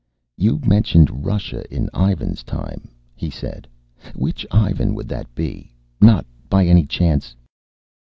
"You mentioned Russia in Ivan's time," he said. "Which Ivan would that be? Not, by any chance